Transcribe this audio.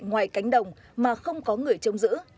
ngoài cánh đồng mà không có người chống giữ